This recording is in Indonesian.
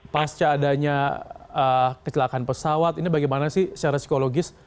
pasca adanya kecelakaan pesawat ini bagaimana sih secara psikologis